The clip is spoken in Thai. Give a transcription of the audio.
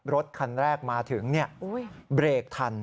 รถคันแรกมาถึงเบรกทัน